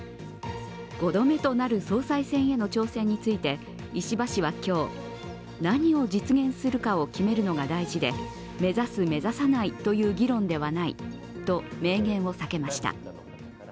５度目となる総裁選への挑戦について、石破氏は今日、何を実現するかを決めるのが大事で目指す、目指さないという議論ではないと明言を避けました。